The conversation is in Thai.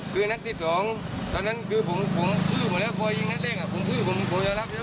คือนักที่๒ตอนนั้นคือผมคือหมดแล้วพอยิงหน้าเต้นผมคือหมดแล้ว